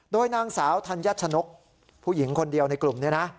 โดยนางสาวธัญชนกผู้หญิงคนเดียวในกลุ่มนี้นะ